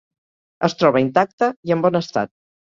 Es troba intacte i en bon estat.